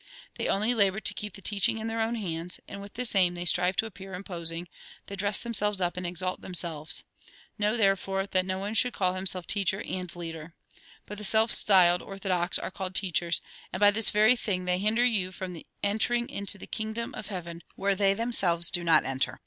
They only labour to keep the teaching in their own hands ; and with this ahn they strive to appear imposing; they dress themselves up and exalt themselves. Know, therefore, that no one should call himself teacher and leader. But the self styled orthodox are called teachers, and by this very thing they hinder you from entering into the kingdom of heaven, where they themselves do not enter.